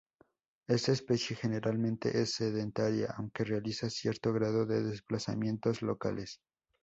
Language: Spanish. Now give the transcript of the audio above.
Esta especie generalmente es sedentaria, aunque realiza cierto grado de desplazamientos locales.